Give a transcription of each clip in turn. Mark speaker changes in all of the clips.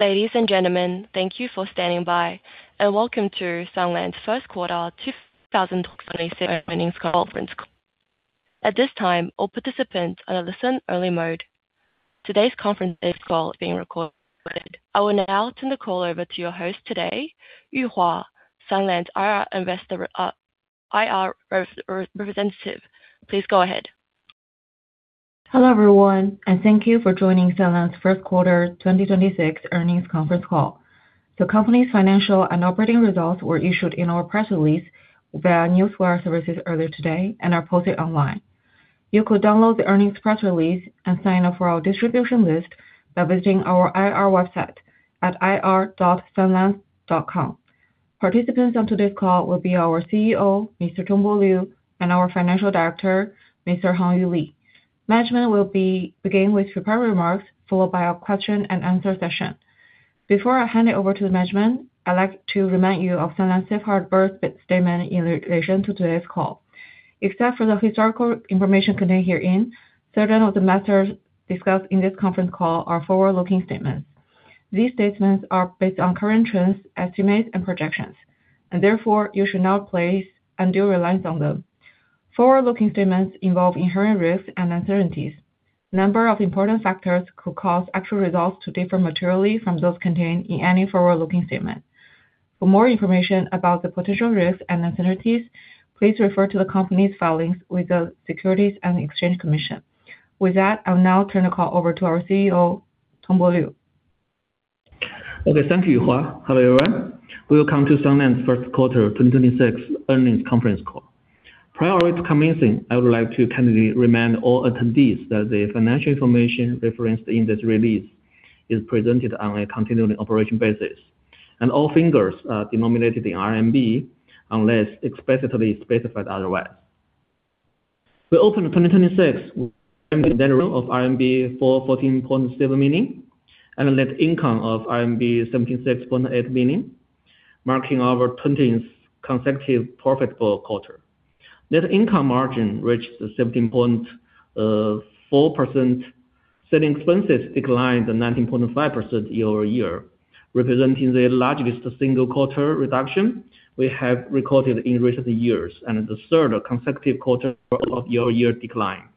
Speaker 1: Ladies and gentlemen, thank you for standing by, and welcome to Sunlands' first quarter 2026 earnings conference call. At this time, all participants are in listen only mode. Today's conference call is being recorded. I will now turn the call over to your host today, Yuhua Ye, Sunlands' IR Representative. Please go ahead.
Speaker 2: Hello, everyone, and thank you for joining Sunlands' first quarter 2026 earnings conference call. The company's financial and operating results were issued in our press release via newswire services earlier today and are posted online. You could download the earnings press release and sign up for our distribution list by visiting our IR website at ir.sunlands.com. Participants on today's call will be our CEO, Mr. Tongbo Liu, and our Financial Director, Mr. Hangyu Li. Management will be beginning with prepared remarks, followed by a question and answer session. Before I hand it over to the management, I'd like to remind you of Sunlands' safe harbor statement in relation to today's call. Except for the historical information contained herein, certain of the matters discussed in this conference call are forward-looking statements. These statements are based on current trends, estimates, and projections, and therefore you should not place undue reliance on them. Forward-looking statements involve inherent risks and uncertainties. Number of important factors could cause actual results to differ materially from those contained in any forward-looking statement. For more information about the potential risks and uncertainties, please refer to the company's filings with the Securities and Exchange Commission. With that, I'll now turn the call over to our CEO, Tongbo Liu.
Speaker 3: Okay. Thank you, Yuhua. Hello, everyone. Welcome to Sunlands' first quarter 2026 earnings conference call. Prior to commencing, I would like to kindly remind all attendees that the financial information referenced in this release is presented on a continuing operations basis, and all figures are denominated in RMB, unless explicitly specified otherwise. We opened 2026 with revenue of RMB 14.7 million, and a net income of RMB 17.8 million, marking our 20th consecutive profitable quarter. Net income margin reached 17.4%. Selling expenses declined 19.5% year-over-year, representing the largest single quarter reduction we have recorded in recent years and the third consecutive quarter of year-over-year decline.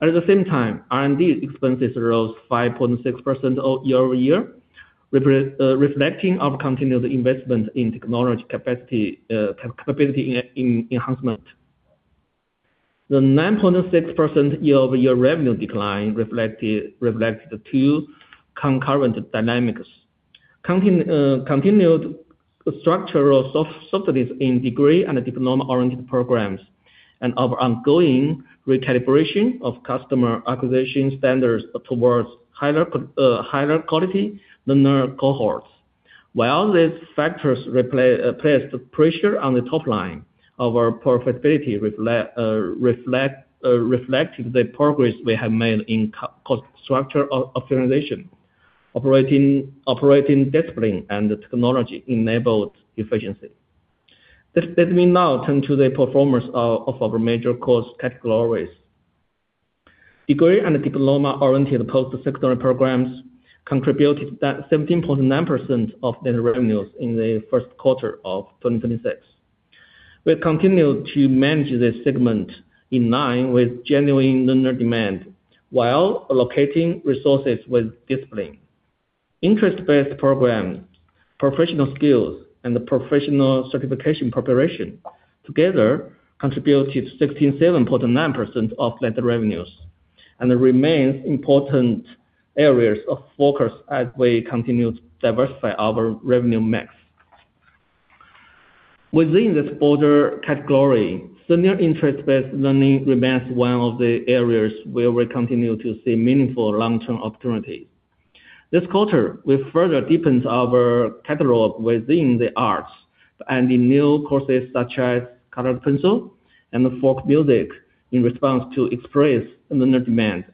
Speaker 3: At the same time, R&D expenses rose 5.6% year-over-year, reflecting our continued investment in technology capacity enhancement. The 9.6% year-over-year revenue decline reflected two concurrent dynamics. Continued structural subsidies in degree- and diploma-oriented programs, and our ongoing recalibration of customer acquisition standards towards higher quality learner cohorts. While these factors placed pressure on the top line of our profitability, reflecting the progress we have made in cost structure optimization, operating discipline, and technology-enabled efficiency. Let me now turn to the performance of our major cost categories. Degree- and diploma-oriented post-secondary programs contributed 17.9% of net revenues in the first quarter of 2026. We've continued to manage this segment in line with genuine learner demand while allocating resources with discipline. interest-based programs, professional skills, and professional certification preparation together contributed 67.9% of net revenues and remains important areas of focus as we continue to diversify our revenue mix. Within this broader category, senior interest-based learning remains one of the areas where we continue to see meaningful long-term opportunity. This quarter, we further deepened our catalog within the arts, adding new courses such as colored pencil and folk music in response to expressed learner demand.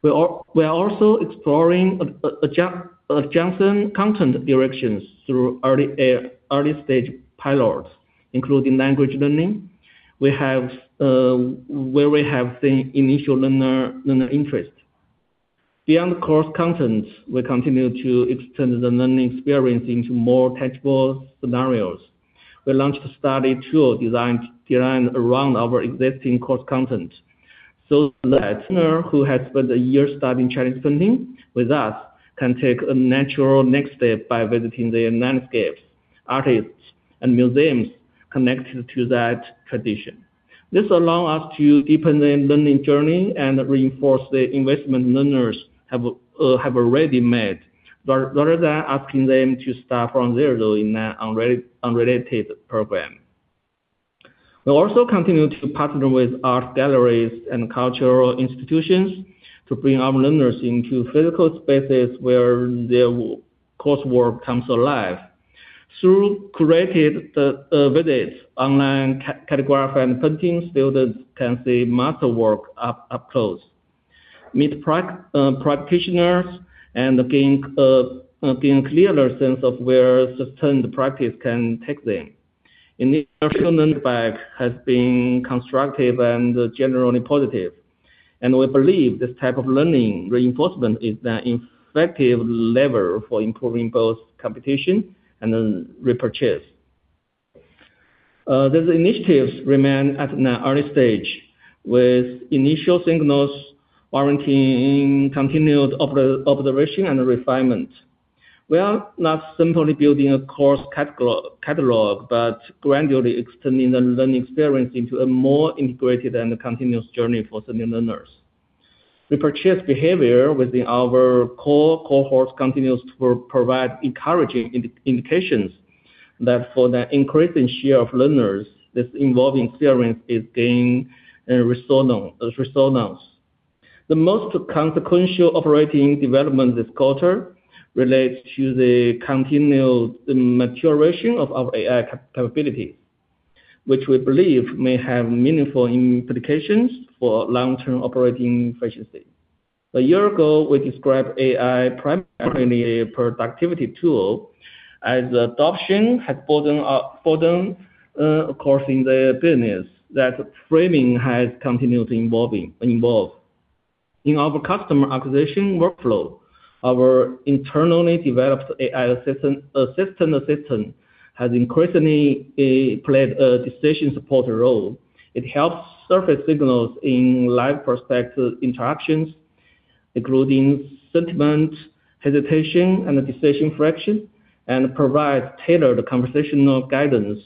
Speaker 3: We are also exploring adjacent content directions through early stage pilots, including language learning, where we have seen initial learner interest. Beyond course content, we continue to extend the learning experience into more tangible scenarios. We launched a study tool designed around our existing course content, so that a learner who has spent a year studying Chinese painting with us can take a natural next step by visiting the landscapes, artists, and museums connected to that tradition. This allows us to deepen the learning journey and reinforce the investment learners have already made, rather than asking them to start from zero in an unrelated program. We also continue to partner with art galleries and cultural institutions to bring our learners into physical spaces where their coursework comes alive. Through curated visits, online category of paintings, students can see masterwork up close, meet practitioners, and gain clearer sense of where sustained practice can take them. Initial learner feedback has been constructive and generally positive. We believe this type of learning reinforcement is an effective lever for improving both completion and then repurchase. These initiatives remain at an early stage, with initial signals warranting continued observation and refinement. We are not simply building a course catalog, but gradually extending the learning experience into a more integrated and continuous journey for the new learners. Repurchase behavior within our core cohorts continues to provide encouraging indications that for the increasing share of learners, this evolving experience is gaining resonance. The most consequential operating development this quarter relates to the continued maturation of our AI capability, which we believe may have meaningful implications for long-term operating efficiency. A year ago, we described AI primarily a productivity tool. As adoption has broadened across the business, that framing has continued to evolve. In our customer acquisition workflow, our internally developed AI assistant has increasingly played a decision support role. It helps surface signals in live prospective interactions, including sentiment, hesitation, and decision friction, and provides tailored conversational guidance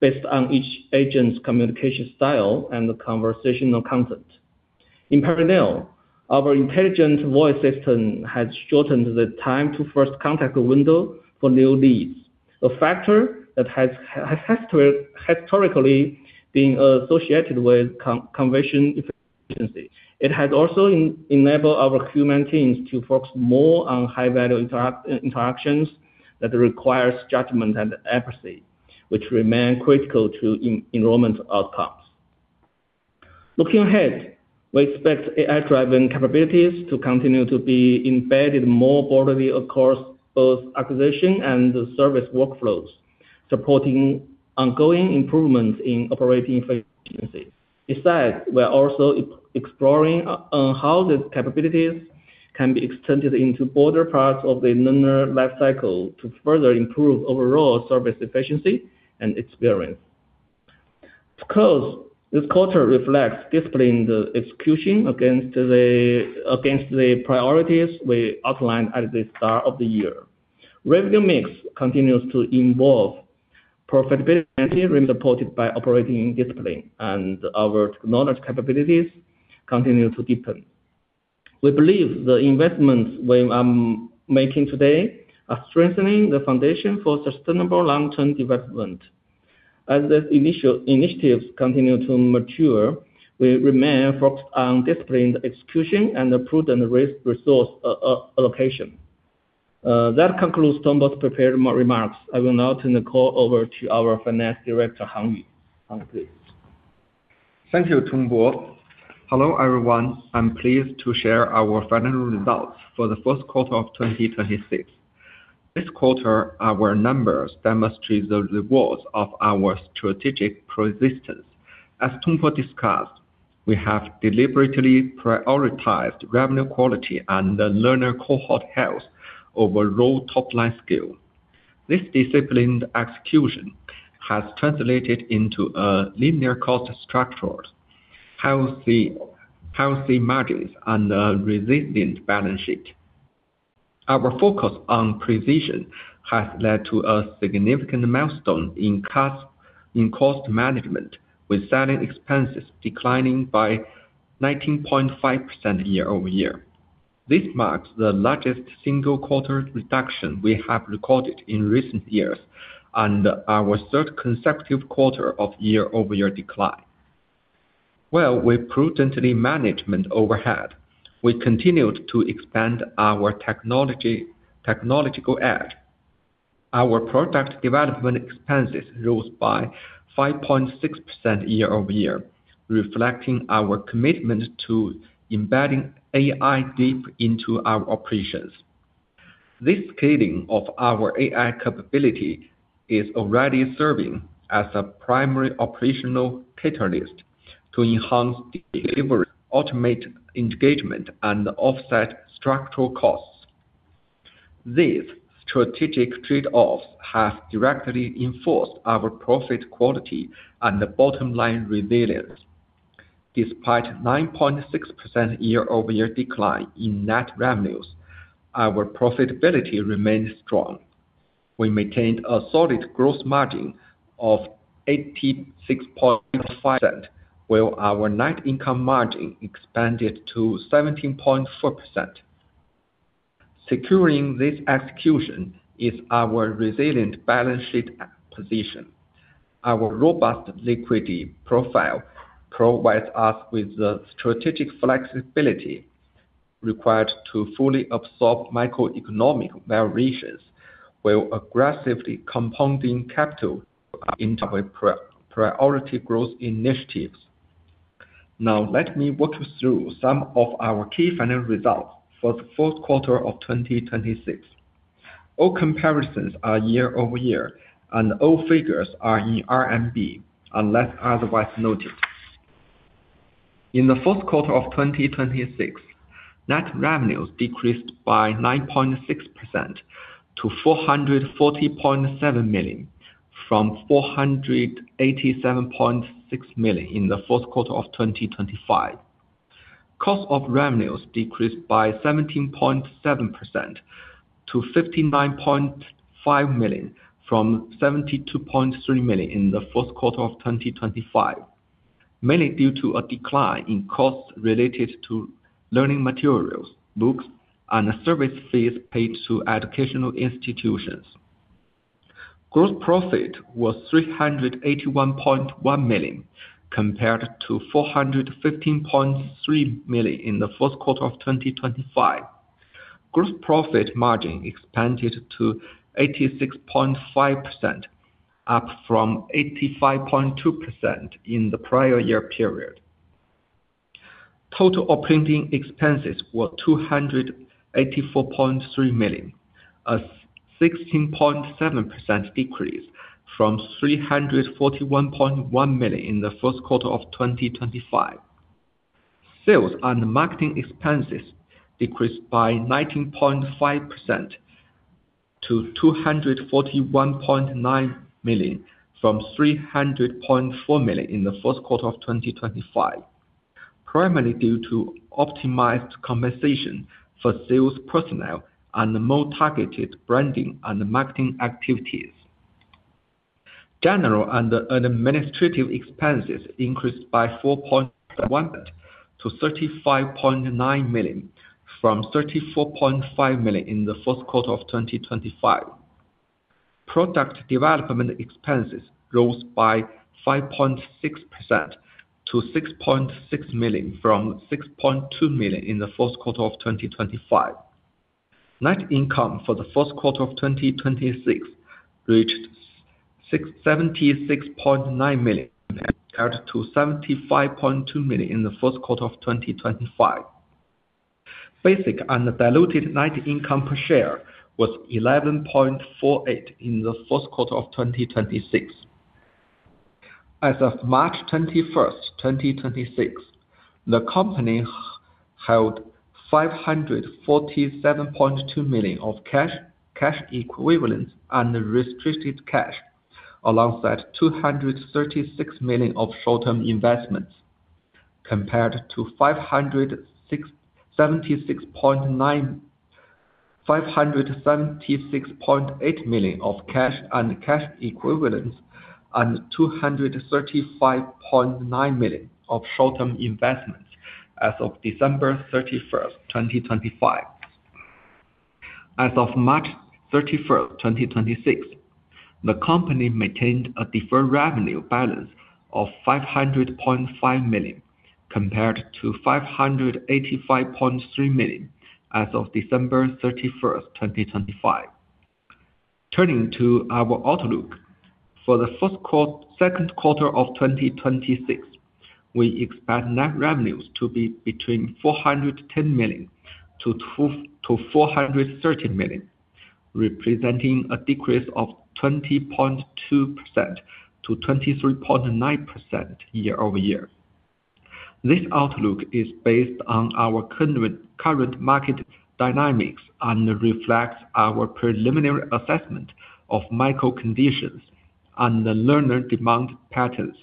Speaker 3: based on each agent's communication style and the conversational content. In parallel, our intelligent voice system has shortened the time to first contact window for new leads, a factor that has historically been associated with conversion efficiency. It has also enabled our human teams to focus more on high-value interactions that requires judgment and accuracy, which remain critical to enrollment outcomes. Looking ahead, we expect AI-driven capabilities to continue to be embedded more broadly across both acquisition and service workflows, supporting ongoing improvements in operating efficiency. We are also exploring how these capabilities can be extended into broader parts of the learner lifecycle to further improve overall service efficiency and experience. To close, this quarter reflects disciplined execution against the priorities we outlined at the start of the year. Revenue mix continues to evolve, profitability remains supported by operating discipline, and our technology capabilities continue to deepen. We believe the investments we are making today are strengthening the foundation for sustainable long-term development. As these initiatives continue to mature, we remain focused on disciplined execution and prudent risk resource allocation. That concludes Tongbo's prepared remarks. I will now turn the call over to our Finance Director, Hangyu. Hangyu, please.
Speaker 4: Thank you, Tongbo. Hello, everyone. I'm pleased to share our financial results for the first quarter of 2026. This quarter, our numbers demonstrate the rewards of our strategic persistence. As Tongbo discussed, we have deliberately prioritized revenue quality and learner cohort health over raw top-line scale. This disciplined execution has translated into a leaner cost structure, healthy margins, and a resilient balance sheet. Our focus on precision has led to a significant milestone in cost management, with selling expenses declining by 19.5% year-over-year. This marks the largest single-quarter reduction we have recorded in recent years and our third consecutive quarter of year-over-year decline. While we prudently manage overhead, we continued to expand our technological edge. Our product development expenses rose by 5.6% year-over-year, reflecting our commitment to embedding AI deep into our operations. This scaling of our AI capability is already serving as a primary operational catalyst to enhance delivery, automate engagement, and offset structural costs. These strategic trade-offs have directly enforced our profit quality and bottom-line resilience. Despite 9.6% year-over-year decline in net revenues, our profitability remains strong. We maintained a solid gross margin of 86.5%, while our net income margin expanded to 17.4%. Securing this execution is our resilient balance sheet position. Our robust liquidity profile provides us with the strategic flexibility required to fully absorb macroeconomic variations while aggressively compounding capital into our priority growth initiatives. Let me walk you through some of our key financial results for the first quarter of 2026. All comparisons are year-over-year, and all figures are in RMB unless otherwise noted. In the first quarter of 2026, net revenues decreased by 9.6% to 440.7 million from 487.6 million in the fourth quarter of 2025. Cost of revenues decreased by 17.7% to 59.5 million from 72.3 million in the fourth quarter of 2025. Many due to a decline in costs related to learning materials, books, and service fees paid to educational institutions. Gross profit was 381.1 million, compared to 415.3 million in the fourth quarter of 2025. Gross profit margin expanded to 86.5%, up from 85.2% in the prior year period. Total operating expenses were 284.3 million, a 16.7% decrease from 341.1 million in the fourth quarter of 2025. Sales and marketing expenses decreased by 19.5% to 241.9 million from 300.4 million in the fourth quarter of 2025, primarily due to optimized compensation for sales personnel and more targeted branding and marketing activities. General and administrative expenses increased by 4.1% to 35.9 million from 34.5 million in the fourth quarter of 2025. Product development expenses rose by 5.6% to 6.6 million from 6.2 million in the fourth quarter of 2025. Net income for the first quarter of 2026 reached 76.9 million compared to 75.2 million in the fourth quarter of 2025. Basic and diluted net income per share was 11.48 in the first quarter of 2026. As of March 31st, 2026, the company held 547.2 million of cash equivalents, and restricted cash, alongside 236 million of short-term investments, compared to 576.8 million of cash and cash equivalents and 235.9 million of short-term investments as of December 31st, 2025. As of March 31st, 2026, the company maintained a deferred revenue balance of 500.5 million compared to 585.3 million as of December 31st, 2025. Turning to our outlook. For the second quarter of 2026, we expect net revenues to be between 410 million-430 million, representing a decrease of 20.2%-23.9% year-over-year. This outlook is based on our current market dynamics and reflects our preliminary assessment of micro conditions and the learner demand patterns,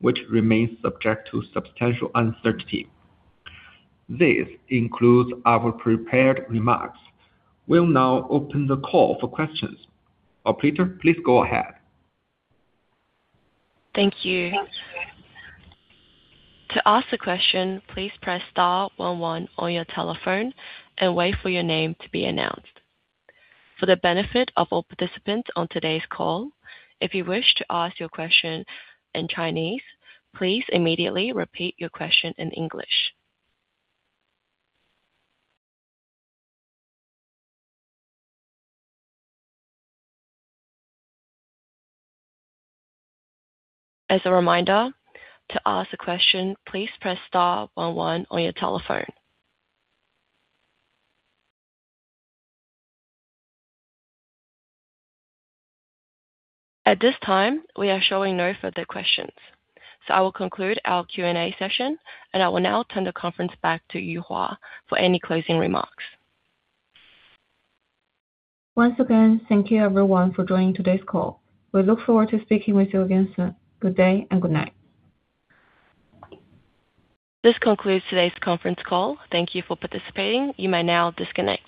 Speaker 4: which remain subject to substantial uncertainty. This concludes our prepared remarks. We'll now open the call for questions. Operator, please go ahead.
Speaker 1: Thank you. To ask a question, please press star one one on your telephone and wait for your name to be announced. For the benefit of all participants on today's call, if you wish to ask your question in Chinese, please immediately repeat your question in English. As a reminder, to ask a question, please press star one one on your telephone. At this time, we are showing no further questions. I will conclude our Q&A session and I will now turn the conference back to Yuhua for any closing remarks.
Speaker 2: Once again, thank you everyone for joining today's call. We look forward to speaking with you again soon. Good day and good night.
Speaker 1: This concludes today's conference call. Thank you for participating. You may now disconnect.